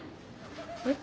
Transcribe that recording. えっ。